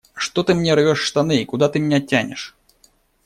Что ты мне рвешь штаны и куда ты меня тянешь?